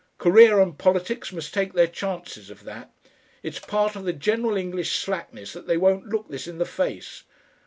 Career and Politics must take their chances of that. It's part of the general English slackness that they won't look this in the face.